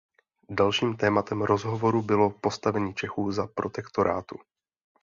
Dalším tématem rozhovoru bylo postavení Čechů za Protektorátu.